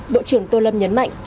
bộ trưởng tô lâm nhấn mạnh